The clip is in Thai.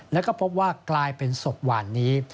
แล้วก็พบว่ากลายเป็นศพหวานนี้